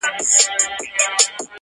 o چي غل نه تښتي، مل دي وتښتي!